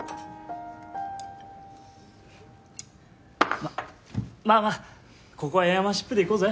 ままあまあここはエアーマンシップでいこうぜ。